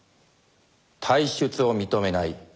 退出を認めない。